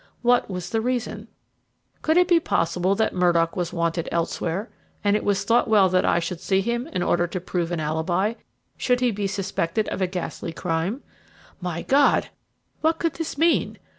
What was the reason? Could it be possible that Murdock was wanted elsewhere, and it was thought well that I should see him in order to prove an alibi, should he be suspected of a ghastly crime? My God! what could this mean?